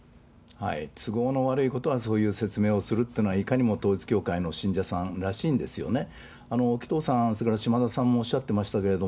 都合の悪いことはそういう説明をするっていうのは、いかにも統一教会の信者さんらしいんですよね。